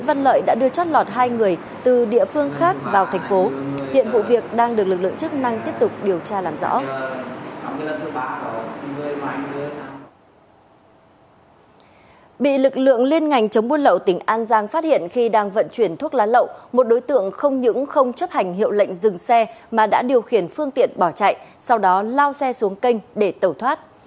tổ công tác liên ngành chống buôn lậu tỉnh an giang phát hiện khi đang vận chuyển thuốc lá lậu một đối tượng không những không chấp hành hiệu lệnh dừng xe mà đã điều khiển phương tiện bỏ chạy sau đó lao xe xuống kênh để tẩu thoát